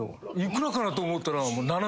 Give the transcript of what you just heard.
幾らかなと思ったら。